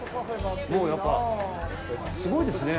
もう、やっぱすごいですね。